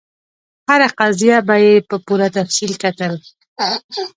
هره قضیه به یې په پوره تفصیل کتل.